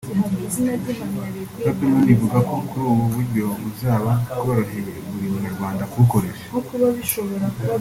Babylon ivuga ko ubu buryo buzaba bworoheye buri Munyarwanda kubukoresha